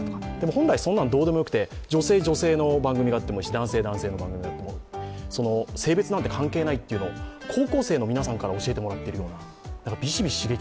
本来そんなのどうでよくて、女性・女性の番組あってもいいし、男性・男性の番組があってもいい、性別なんて関係ないと高校生の皆さんから教えてもらってるような。